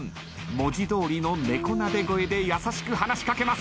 文字通りの猫なで声で優しく話し掛けます。